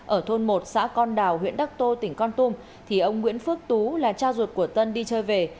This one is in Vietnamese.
ở thôn một xã con đào huyện đắc tô tỉnh con tum thì ông nguyễn phước tú là cha ruột của tân đi chơi về